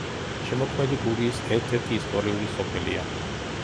შემოქმედი გურიის ერთ-ერთი ისტორიული სოფელია.